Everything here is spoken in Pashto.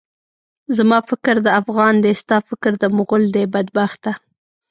زما فکر د افغان دی، ستا فکر د مُغل دی، بدبخته!